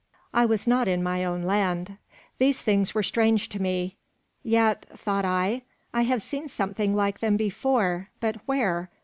I was not in my own land. These things were strange to me. "Yet," thought I, "I have seen something like them before, but where?